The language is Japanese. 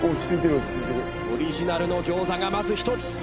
オリジナルの餃子がまず１つ。